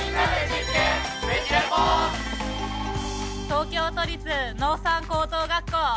東京都立農産高等学校。